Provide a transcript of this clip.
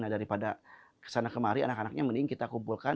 nah daripada kesana kemari anak anaknya mending kita kumpulkan